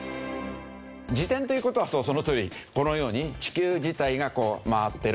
自転という事はそのとおりこのように地球自体が回ってる。